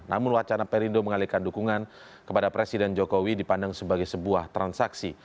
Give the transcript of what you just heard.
namun wacana perindo mengalihkan dukungan kepada presiden jokowi dipandang sebagai sebuah transaksi